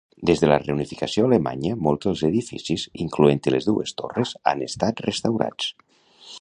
Des de la reunificació alemanya molts dels edificis, incloent-hi les dues torres, han estat restaurats.